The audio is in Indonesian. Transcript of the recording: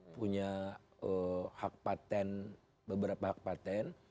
punya hak patent beberapa hak patent